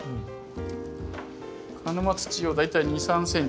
鹿沼土を大体２３ｃｍ。